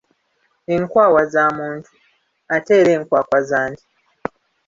Enkwawa za muntu ate era enkwakwa za nte.